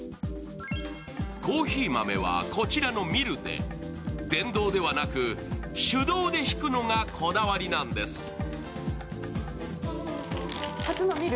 コーヒー豆はこちらのミルで、電動ではなく、手動でひくのがこだわりなんです。